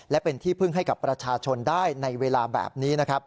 และเป็นที่พึ่งให้กับประชาชนได้ในเวลาแบบนี้นะครับ